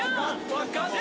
分かった！